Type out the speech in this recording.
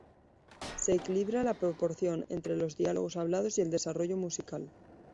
Se equilibra la proporción entre los diálogos hablados y el desarrollo musical.